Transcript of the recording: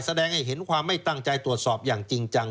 แสดงให้เห็นความไม่ตั้งใจตรวจสอบอย่างจริงจัง